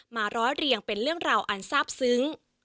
ร้อยเรียงเป็นเรื่องราวอันทราบซึ้ง